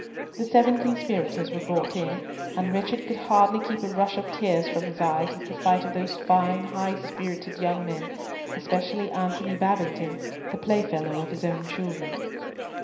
The seven conspirators were brought in, and Richard could hardly keep a rush of tears from his eyes at the sight of those fine, high spirited young men, especially Antony Babington, the playfellow of his own children.